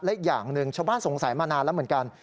และอีกอย่างหนึ่งชาวบ้านสงสัยมานานแล้วเหมือนกัน